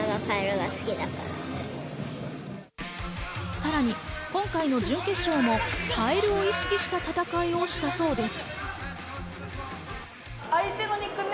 さらに今回の準決勝も、カエルを意識した戦いをしたそうです。